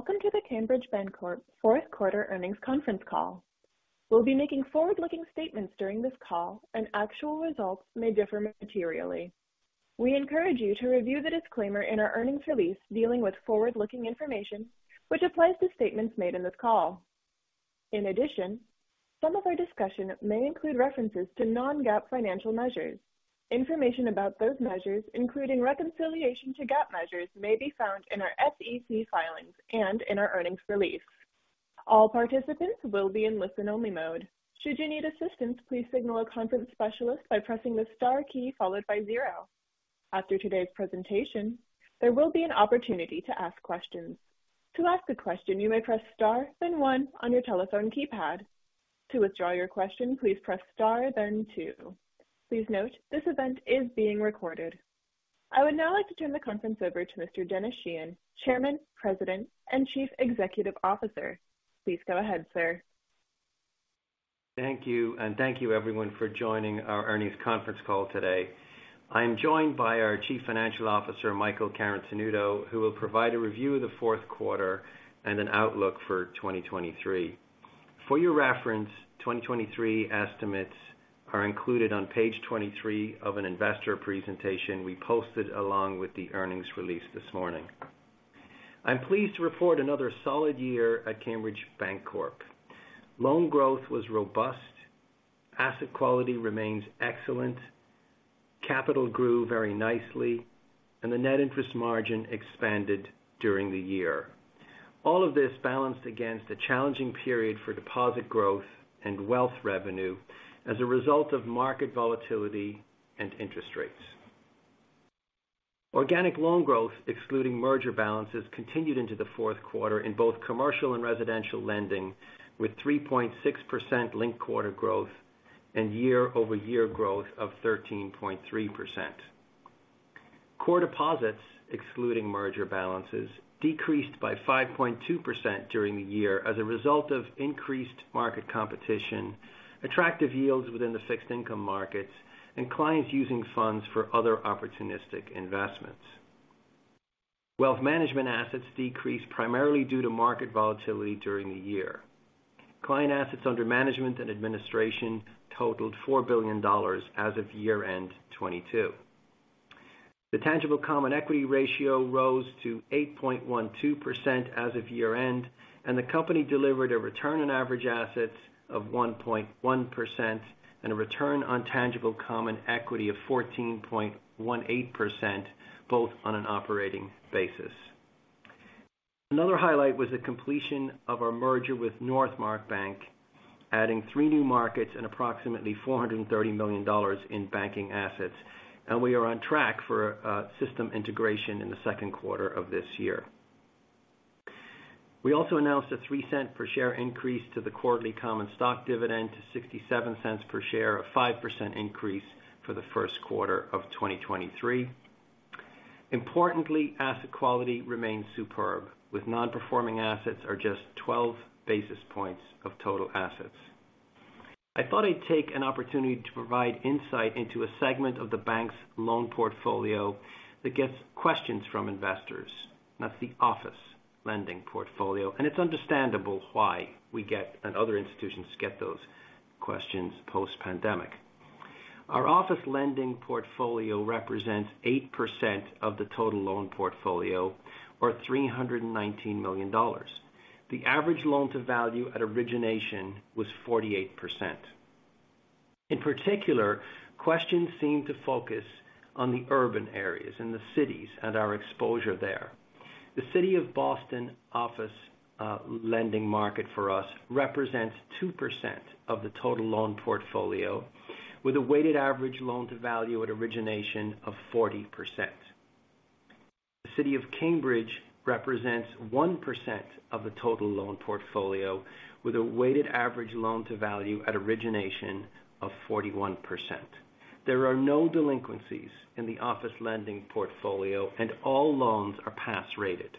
Welcome to the Cambridge Bancorp Fourth Quarter Earnings Conference Call. We'll be making forward-looking statements during this call and actual results may differ materially. We encourage you to review the disclaimer in our earnings release dealing with forward-looking information which applies to statements made in this call. In addition, some of our discussion may include references to non-GAAP financial measures. Information about those measures, including reconciliation to GAAP measures, may be found in our SEC filings and in our earnings release. All participants will be in listen-only mode. Should you need assistance, please signal a conference specialist by pressing the star key followed by zero. After today's presentation, there will be an opportunity to ask questions. To ask a question, you may press star, then one on your telephone keypad. To withdraw your question, please press star then two. Please note this event is being recorded. I would now like to turn the conference over to Mr. Denis Sheahan, Chairman, President, and Chief Executive Officer. Please go ahead, sir. Thank you. Thank you everyone for joining our earnings conference call today. I'm joined by our Chief Financial Officer, Michael Carotenuto, who will provide a review of the fourth quarter and an outlook for 2023. For your reference, 2023 estimates are included on page 23 of an investor presentation we posted along with the earnings release this morning. I'm pleased to report another solid year at Cambridge Bancorp. Loan growth was robust, asset quality remains excellent, capital grew very nicely, and the net interest margin expanded during the year. All of this balanced against a challenging period for deposit growth and wealth revenue as a result of market volatility and interest rates. Organic loan growth, excluding merger balances, continued into the fourth quarter in both commercial and residential lending, with 3.6% linked quarter growth and YoY growth of 13.3%. Core deposits, excluding merger balances, decreased by 5.2% during the year as a result of increased market competition, attractive yields within the fixed income markets, and clients using funds for other opportunistic investments. Wealth management assets decreased primarily due to market volatility during the year. Client assets under management and administration totaled $4 billion as of year-end 2022. The tangible common equity ratio rose to 8.12% as of year-end, the company delivered a return on average assets of 1.1% and a return on tangible common equity of 14.18%, both on an operating basis. Another highlight was the completion of our merger with Northmark Bank, adding three new markets and approximately $430 million in banking assets. We are on track for system integration in the second quarter of this year. We also announced a $0.3 per share increase to the quarterly common stock dividend to $0.67 per share, a 5% increase for the first quarter of 2023. Importantly, asset quality remains superb with non-performing assets are just 12 basis points of total assets. I thought I'd take an opportunity to provide insight into a segment of the bank's loan portfolio that gets questions from investors. That's the office lending portfolio, it's understandable why we get and other institutions get those questions post-pandemic. Our office lending portfolio represents 8% of the total loan portfolio or $319 million. The average loan to value at origination was 48%. In particular, questions seem to focus on the urban areas in the cities and our exposure there. The City of Boston office, lending market for us represents 2% of the total loan portfolio, with a weighted average loan to value at origination of 40%. The City of Cambridge represents 1% of the total loan portfolio, with a weighted average loan to value at origination of 41%. There are no delinquencies in the office lending portfolio, and all loans are pass rated.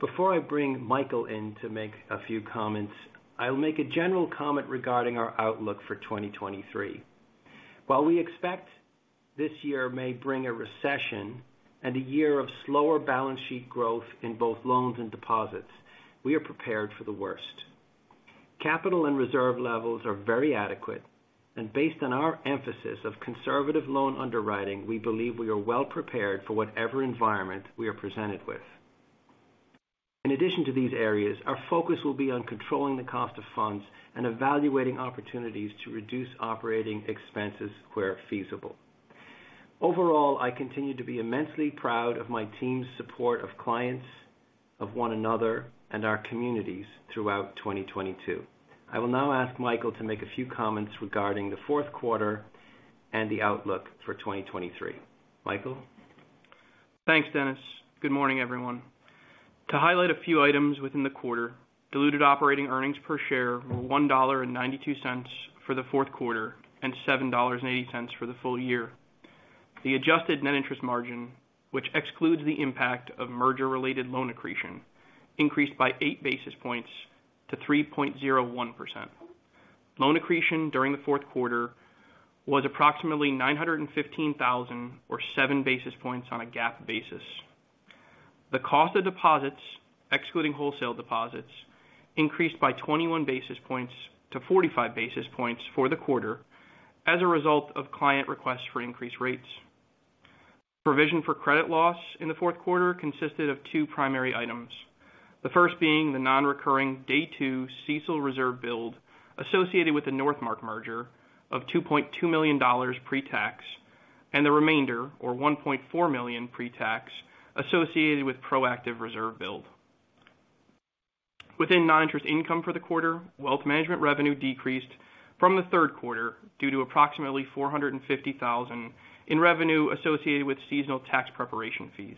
Before I bring Michael in to make a few comments, I'll make a general comment regarding our outlook for 2023. While we expect this year may bring a recession and a year of slower balance sheet growth in both loans and deposits, we are prepared for the worst. Capital and reserve levels are very adequate and based on our emphasis of conservative loan underwriting, we believe we are well prepared for whatever environment we are presented with. In addition to these areas, our focus will be on controlling the cost of funds and evaluating opportunities to reduce operating expenses where feasible. Overall, I continue to be immensely proud of my team's support of clients, of one another, and our communities throughout 2022. I will now ask Michael to make a few comments regarding the fourth quarter and the outlook for 2023. Michael? Thanks, Denis. Good morning, everyone. To highlight a few items within the quarter, diluted operating earnings per share were $1.92 for the fourth quarter and $7.80 for the full year. The adjusted net interest margin, which excludes the impact of merger-related loan accretion, increased by eight basis points to 3.01%. Loan accretion during the fourth quarter was approximately $915,000 or seven basis points on a GAAP basis. The cost of deposits, excluding wholesale deposits, increased by 21 basis points to 45 basis points for the quarter as a result of client requests for increased rates. Provision for credit loss in the fourth quarter consisted of two primary items. The first being the non-recurring day two CECL reserve build associated with the Northmark merger of $2.2 million pre-tax. The remainder, or $1.4 million pre-tax, associated with proactive reserve build. Within non-interest income for the quarter, wealth management revenue decreased from the third quarter due to approximately 450,000 in revenue associated with seasonal tax preparation fees.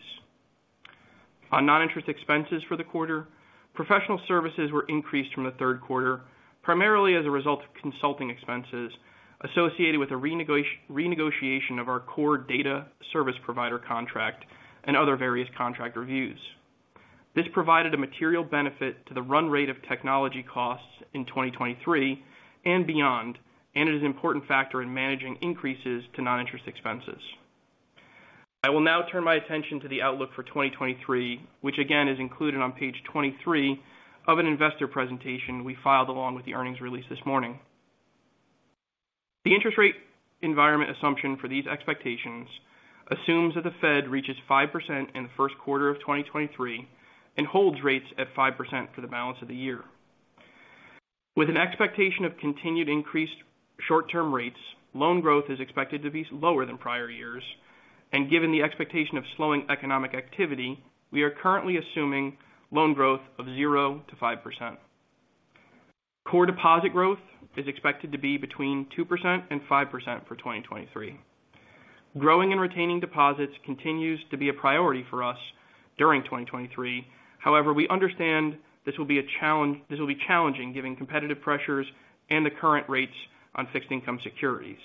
On non-interest expenses for the quarter, professional services were increased from the third quarter, primarily as a result of consulting expenses associated with the renegotiation of our core data service provider contract and other various contract reviews. This provided a material benefit to the run rate of technology costs in 2023 and beyond. It is an important factor in managing increases to non-interest expenses. I will now turn my attention to the outlook for 2023, which again is included on page 23 of an investor presentation we filed along with the earnings release this morning. The interest rate environment assumption for these expectations assumes that the Fed reaches 5% in the first quarter of 2023 and holds rates at 5% for the balance of the year. With an expectation of continued increased short-term rates, loan growth is expected to be lower than prior years. Given the expectation of slowing economic activity, we are currently assuming loan growth of 0%-5%. Core deposit growth is expected to be between 2% and 5% for 2023. Growing and retaining deposits continues to be a priority for us during 2023. However, we understand this will be challenging given competitive pressures and the current rates on fixed income securities.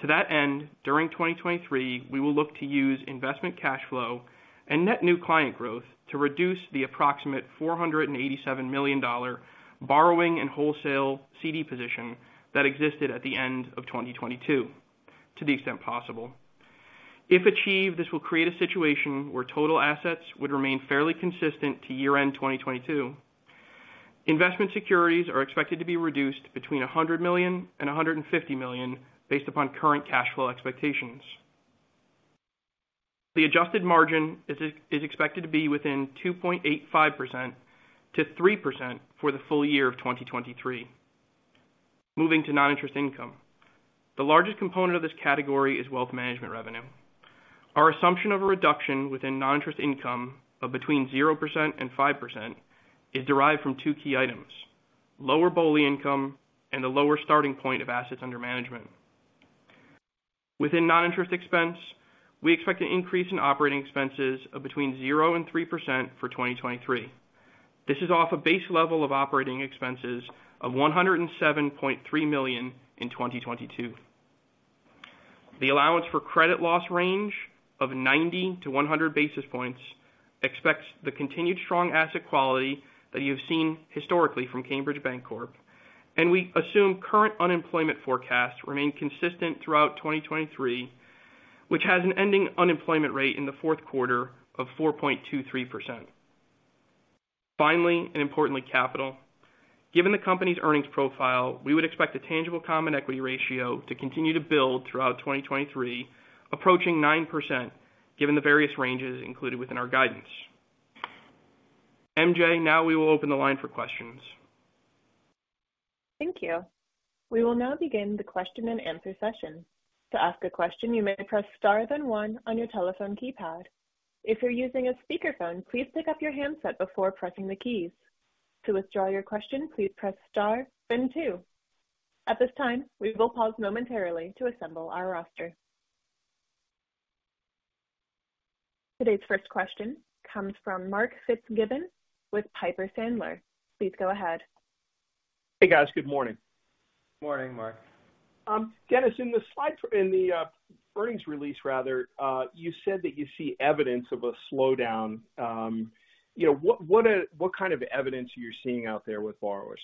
To that end, during 2023, we will look to use investment cash flow and net new client growth to reduce the approximate $487 million borrowing and wholesale CD position that existed at the end of 2022, to the extent possible. If achieved, this will create a situation where total assets would remain fairly consistent to year-end 2022. Investment securities are expected to be reduced between $100 million and $150 million based upon current cash flow expectations. The adjusted margin is expected to be within 2.85%-3% for the full year of 2023. Moving to non-interest income. The largest component of this category is wealth management revenue. Our assumption of a reduction within non-interest income of between 0% and 5% is derived from two key items: lower BOLI income and a lower starting point of assets under management. Within non-interest expense, we expect an increase in operating expenses of between 0% and 3% for 2023. This is off a base level of operating expenses of $107.3 million in 2022. The allowance for credit loss range of 90-100 basis points expects the continued strong asset quality that you've seen historically from Cambridge Bancorp, and we assume current unemployment forecasts remain consistent throughout 2023, which has an ending unemployment rate in the fourth quarter of 4.23%. Finally, and importantly, capital. Given the company's earnings profile, we would expect the tangible common equity ratio to continue to build throughout 2023, approaching 9% given the various ranges included within our guidance. MJ, now we will open the line for questions. Thank you. We will now begin the question and answer session. To ask a question, you may press star then one on your telephone keypad. If you're using a speaker phone, please pick up your handset before pressing the keys. To withdraw your question, please press star then two. At this time, we will pause momentarily to assemble our roster. Today's first question comes from Mark Fitzgibbon with Piper Sandler. Please go ahead. Hey, guys. Good morning. Morning, Mark. Denis, in the, earnings release rather, you said that you see evidence of a slowdown. You know, what kind of evidence are you seeing out there with borrowers?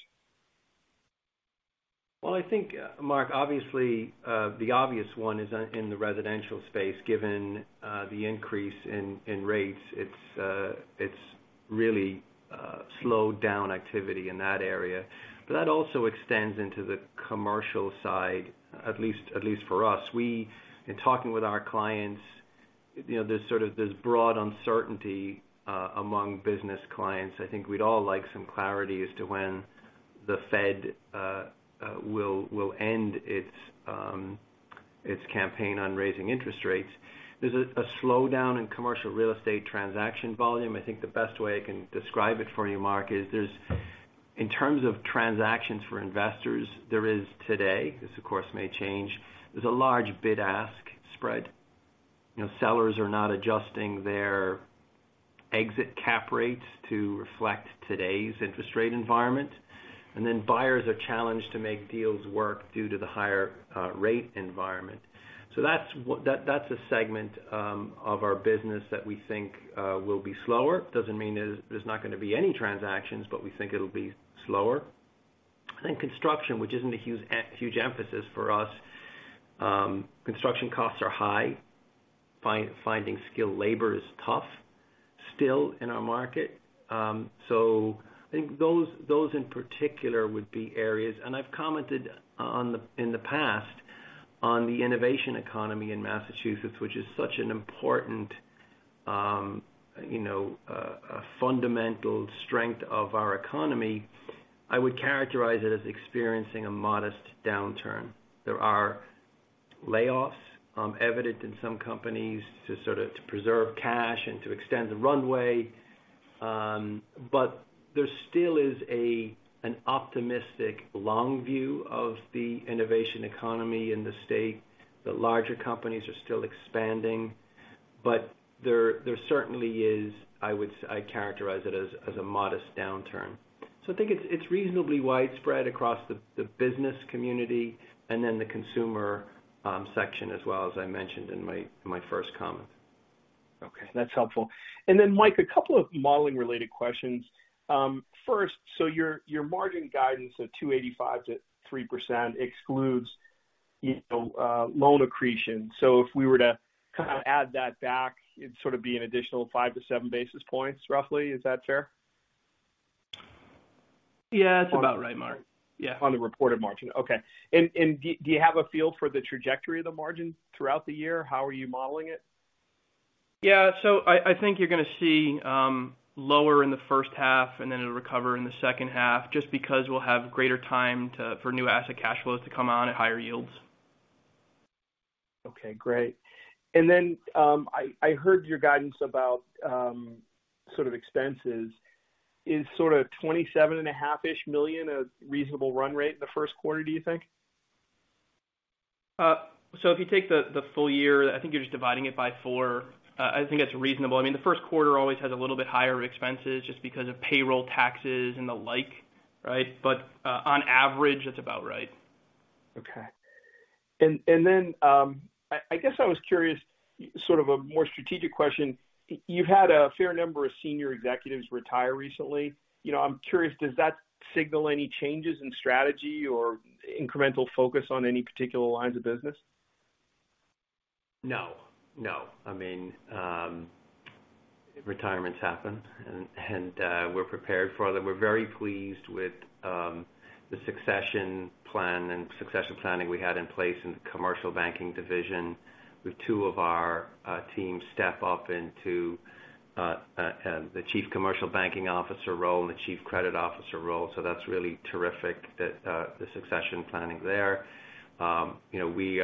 Well, I think, Mark, obviously, the obvious one is in the residential space, given the increase in rates. It's really slowed down activity in that area. That also extends into the commercial side, at least for us. In talking with our clients, you know, there's sort of this broad uncertainty among business clients. I think we'd all like some clarity as to when the Fed will end its campaign on raising interest rates. There's a slowdown in commercial real estate transaction volume. I think the best way I can describe it for you, Mark, is in terms of transactions for investors, there is today. This, of course, may change. There's a large bid-ask spread. You know, sellers are not adjusting their exit cap rates to reflect today's interest rate environment. Buyers are challenged to make deals work due to the higher rate environment. That's a segment of our business that we think will be slower. Doesn't mean there's not gonna be any transactions, but we think it'll be slower. I think construction, which isn't a huge emphasis for us, construction costs are high. Finding skilled labor is tough still in our market. I think those in particular would be areas. I've commented on the in the past on the innovation economy in Massachusetts, which is such an important, you know, a fundamental strength of our economy. I would characterize it as experiencing a modest downturn. There are layoffs evident in some companies to sort of to preserve cash and to extend the runway. There still is a, an optimistic long view of the innovation economy in the state. The larger companies are still expanding, but there certainly is, I'd characterize it as a modest downturn. I think it's reasonably widespread across the business community and then the consumer section as well, as I mentioned in my first comment. Okay. That's helpful. Then Mike, a couple of modeling-related questions. First, your margin guidance of 2.85%-3% excludes, you know, loan accretion. If we were to kind of add that back, it'd sort of be an additional 5-7 basis points roughly. Is that fair? Yeah. It's about right, Mark. Yeah. On the reported margin. Okay. Do you have a feel for the trajectory of the margin throughout the year? How are you modeling it? I think you're gonna see lower in the first half, and then it'll recover in the second half just because we'll have greater time for new asset cash flows to come on at higher yields. Okay. Great. I heard your guidance about, sort of expenses. Is sort of $27 and a half-ish million a reasonable run rate in the first quarter, do you think? If you take the full year, I think you're just dividing it by four. I think that's reasonable. I mean, the first quarter always has a little bit higher expenses just because of payroll taxes and the like, right? On average, that's about right. Okay. I guess I was curious, sort of a more strategic question. You've had a fair number of senior executives retire recently. You know, I'm curious, does that signal any changes in strategy or incremental focus on any particular lines of business? No. No. I mean, retirements happen and we're prepared for them. We're very pleased with the succession plan and succession planning we had in place in the commercial banking division with two of our team step up into the Chief Commercial Banking Officer role and the Chief Credit Officer role. That's really terrific that the succession planning there. You know, we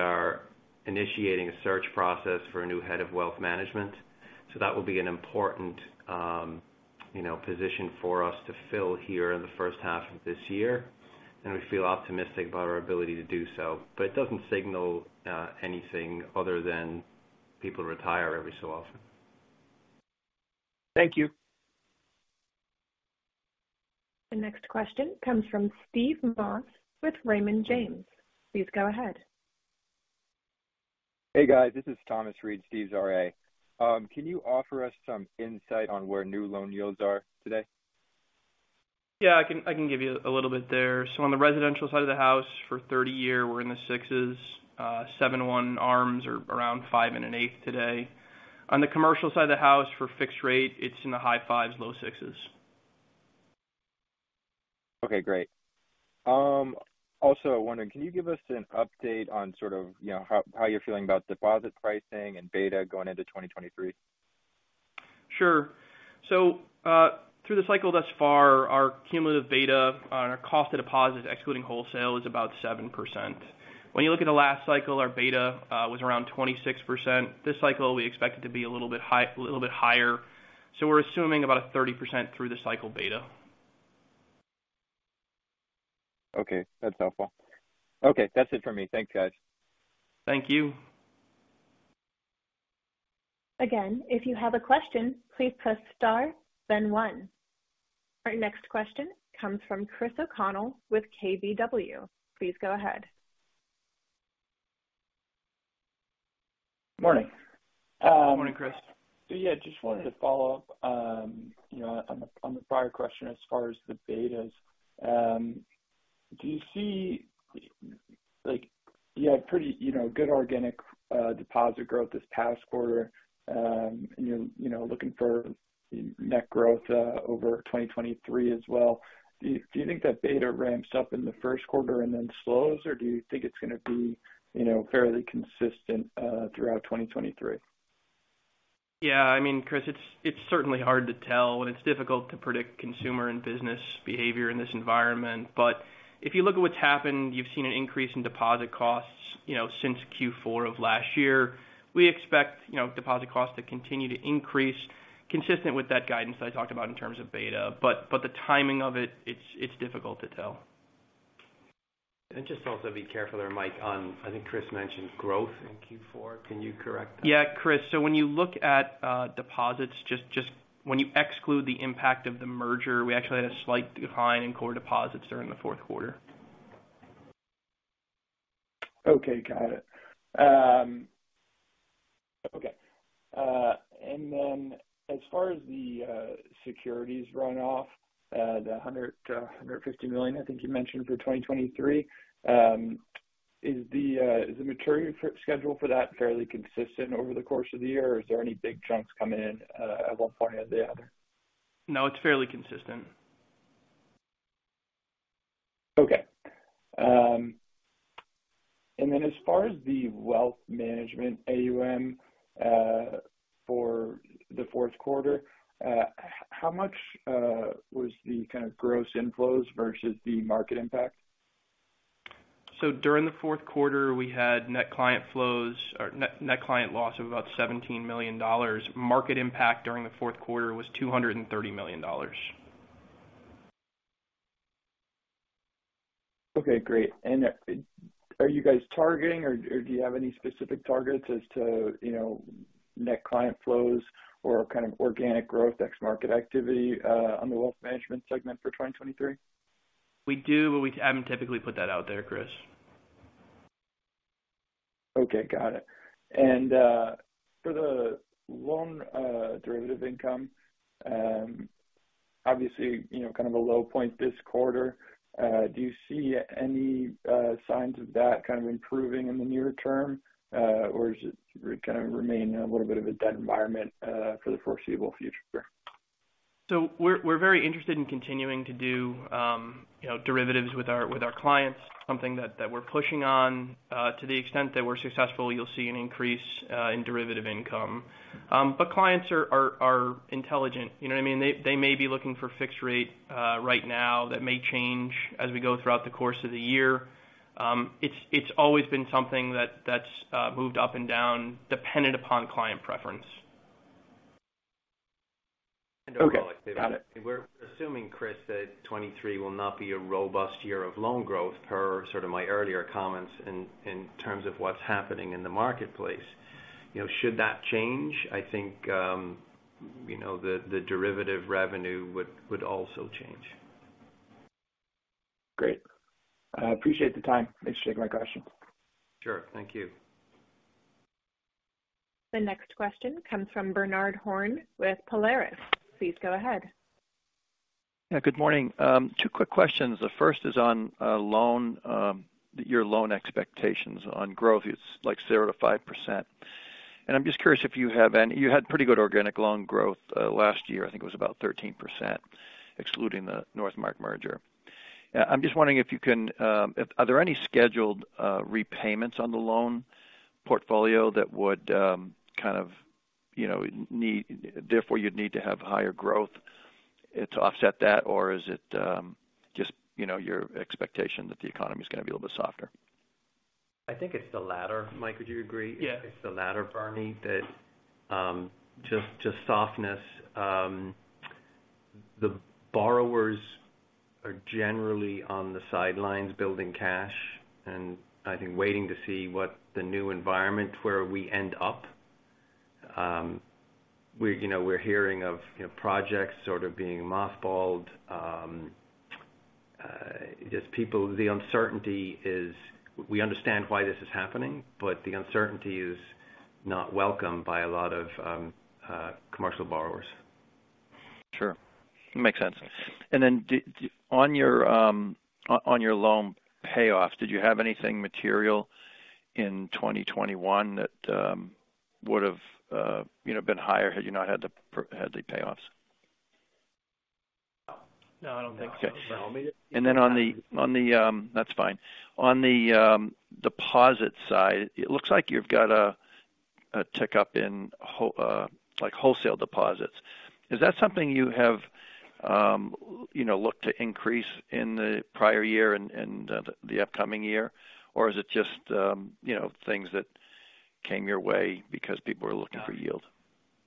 are initiating a search process for a new head of wealth management. That will be an important, you know, position for us to fill here in the first half of this year. We feel optimistic about our ability to do so. It doesn't signal anything other than people retire every so often. Thank you. The next question comes from Steve Moss with Raymond James. Please go ahead. Hey, guys. This is Thomas Reid, Steve Moss RA. Can you offer us some insight on where new loan yields are today? Yeah. I can give you a little bit there. On the residential side of the house for 30-year, we're in the sixes. 7/1 ARMs are around 5.125% today. On the commercial side of the house for fixed rate, it's in the high fives, low sixes. Okay. Great. Also wondering, can you give us an update on sort of, you know, how you're feeling about deposit pricing and beta going into 2023? Sure. Through the cycle thus far, our cumulative beta on our cost of deposit excluding wholesale is about 7%. When you look at the last cycle, our beta was around 26%. This cycle, we expect it to be a little bit higher. We're assuming about a 30% through the cycle beta. Okay. That's helpful. Okay. That's it for me. Thanks, guys. Thank you. Again, if you have a question, please press star then one. Our next question comes from Christopher O'Connell with KBW. Please go ahead. Morning. Morning, Chris. Yeah, just wanted to follow up, you know, on the prior question as far as the betas. Do you see like you had pretty, you know, good organic deposit growth this past quarter, and you're, you know, looking for net growth over 2023 as well. Do you think that beta ramps up in the first quarter and then slows, or do you think it's gonna be, you know, fairly consistent throughout 2023? Yeah, I mean, Chris, it's certainly hard to tell. It's difficult to predict consumer and business behavior in this environment. If you look at what's happened, you've seen an increase in deposit costs, you know, since Q4 of last year. We expect, you know, deposit costs to continue to increase consistent with that guidance that I talked about in terms of beta. But the timing of it's difficult to tell. just also be careful there, Mike, I think Chris mentioned growth in Q4. Can you correct that? Yeah. Chris, when you look at deposits, just when you exclude the impact of the merger, we actually had a slight decline in core deposits during the fourth quarter. Okay. Got it. Okay. As far as the securities run off, the $150 million I think you mentioned for 2023, is the maturity schedule for that fairly consistent over the course of the year or is there any big chunks coming in at one point or the other? No, it's fairly consistent. Okay. As far as the wealth management AUM, for the fourth quarter, how much was the kind of gross inflows versus the market impact? During the fourth quarter, we had net client flows or net client loss of about $17 million. Market impact during the fourth quarter was $230 million. Okay, great. Are you guys targeting or do you have any specific targets as to, you know, net client flows or kind of organic growth ex market activity on the wealth management segment for 2023? We do, but we haven't typically put that out there, Chris. Okay, got it. For the loan derivative income, obviously, you know, kind of a low point this quarter, do you see any signs of that kind of improving in the near term, or is it gonna remain a little bit of a dead environment for the foreseeable future? We're very interested in continuing to do, you know, derivatives with our clients, something that we're pushing on. To the extent that we're successful, you'll see an increase in derivative income. Clients are intelligent. You know what I mean? They may be looking for fixed rate right now. That may change as we go throughout the course of the year. It's always been something that's moved up and down dependent upon client preference. Okay. Got it. We're assuming, Chris, that 23 will not be a robust year of loan growth per sort of my earlier comments in terms of what's happening in the marketplace. You know, should that change, I think, you know, the derivative revenue would also change. Great. I appreciate the time. Thanks for taking my question. Sure. Thank you. The next question comes from Bernard Horn with Polaris. Please go ahead. Yeah, good morning. Two quick questions. The first is on loan, your loan expectations on growth. It's like 0%-5%. I'm just curious if you had pretty good organic loan growth last year. I think it was about 13%, excluding the Northmark merger. I'm just wondering if you can, if are there any scheduled repayments on the loan portfolio that would, kind of, you know, therefore you'd need to have higher growth to offset that? Is it just, you know, your expectation that the economy is gonna be a little bit softer? I think it's the latter. Mike, would you agree? Yeah. It's the latter, Bernie, that just softness. The borrowers are generally on the sidelines building cash, and I think waiting to see what the new environment where we end up. We're, you know, we're hearing of, you know, projects sort of being mothballed. The uncertainty is we understand why this is happening, but the uncertainty is not welcomed by a lot of commercial borrowers. Sure. Makes sense. Then did, on your loan payoffs, did you have anything material in 2021 that would've, you know, been higher had you not had the payoffs? No, I don't think so. Okay. You want me to- That's fine. On the deposit side, it looks like you've got a tick up in like, wholesale deposits. Is that something you have, you know, looked to increase in the prior year and the upcoming year? Is it just, you know, things that came your way because people are looking for yield?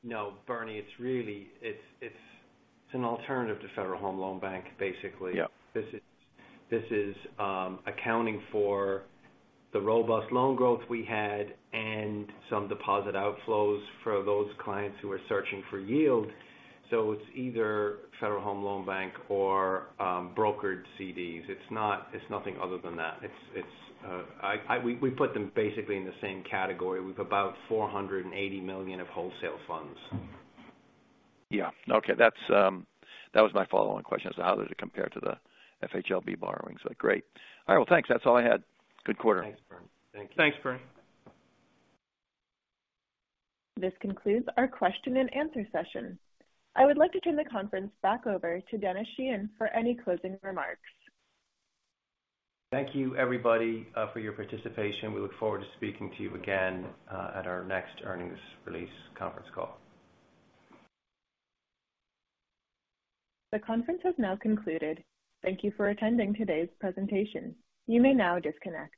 No, Bernie, it's an alternative to Federal Home Loan Bank, basically. Yeah. This is accounting for the robust loan growth we had and some deposit outflows for those clients who are searching for yield. It's either Federal Home Loan Bank or brokered CDs. It's nothing other than that. It's, we put them basically in the same category with about $480 million of wholesale funds. Yeah. Okay. That's, that was my follow-on question as to how does it compare to the FHLB borrowings. Great. All right. Thanks. That's all I had. Good quarter. Thanks, Bernie. Thank you. Thanks, Bernie. This concludes our question and answer session. I would like to turn the conference back over to Denis Sheehan for any closing remarks. Thank you, everybody, for your participation. We look forward to speaking to you again, at our next earnings release conference call. The conference has now concluded. Thank you for attending today's presentation. You may now disconnect.